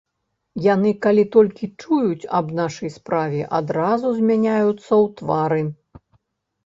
Яны калі толькі чуюць аб нашай справе, адразу змяняюцца ў твары.